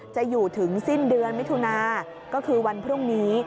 จะอยู่ถึงสิ้นเดือนมิถุนาก็คือวันพรุ่งนี้